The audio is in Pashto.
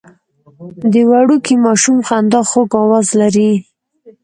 د وړوکي ماشوم خندا خوږ اواز لري.